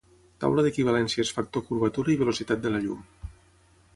Taula d'equivalències Factor curvatura i velocitat de la llum.